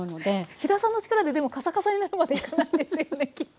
飛田さんの力ででもカサカサになるまでいかないですよねきっと。